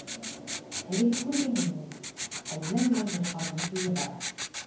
Әлегә, күрмәйһеңме ни, Хәлимә менән Ғирфандың туйы бара.